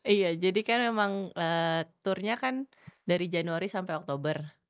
iya jadi kan memang turnya kan dari januari sampai oktober